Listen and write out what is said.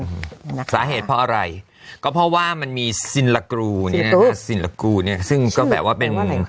สาเหตุเพราะอะไรก็เพราะว่ามันมีซิลากรูเนี้ยนะฮะซินลากูเนี่ยซึ่งก็แบบว่าเป็น